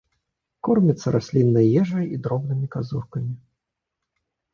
Корміцца расліннай ежай і дробнымі казуркамі.